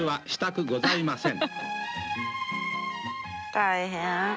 大変。